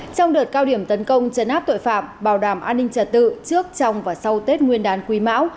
trong đợt cao điểm tấn công chấn áp tội phạm bảo đảm an ninh trật tự trước trong và sau tết nguyên đán quý mão